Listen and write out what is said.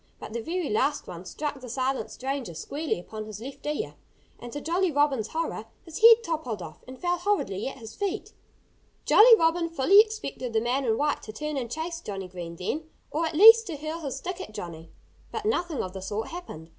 But the very last one struck the silent stranger squarely upon his left ear. And to Jolly Robin's horror, his head toppled off and fell horridly at his feet. Jolly Robin fully expected the man in white to turn and chase Johnnie Green then or at least to hurl his stick at Johnnie. But nothing of the sort happened.